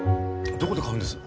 どこで買うんです？